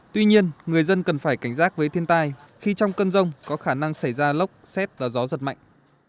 tuy nhiên người dân cần phải cảnh giác với thiên tai khi trong cơn rông có khả năng xảy ra lốc xét và gió giật mạnh